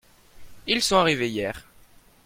Ils sont arrivés hier.